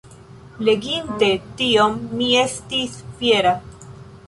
Leginte tion mi estis fiera.